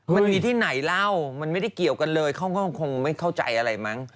มันมีที่ไหนเล่ามันไม่ได้เกี่ยวกันเลยเขาก็คงไม่เข้าใจอะไรมั้ง